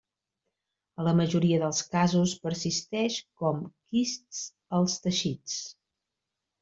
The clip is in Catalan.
A la majoria dels casos persisteix com quists als teixits.